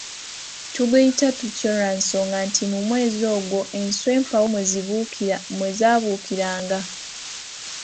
Tuguyita tutyo lwa nsonga nti mu mwezi ogwo enswa empawu mwe zaabuukiranga.